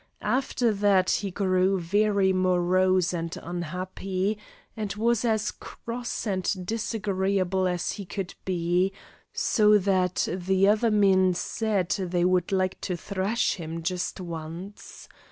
After that he grew very morose and unhappy, and was as cross and disagreeable as he could be; so that the other men said they would like to thrash him just once.